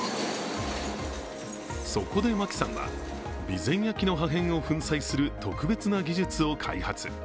そこで、牧さんは備前焼の破片を粉砕する特別な技術を開発。